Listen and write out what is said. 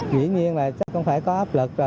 dĩ nhiên là chắc không phải có áp lực